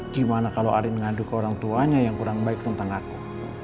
gimana kalau arin mengadu ke orang tuanya yang kurang baik tentang aku